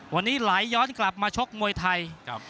วันนี้ไหลย้อนกลับมาชกมวยไทย